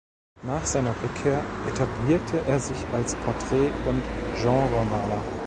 Nach seiner Rückkehr etablierte er sich als Porträt- und Genremaler.